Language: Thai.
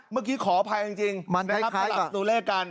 เมื่อกี้ขออภัยจริงจริงมันคล้ายคล้ายกว่าตัวเลขกัน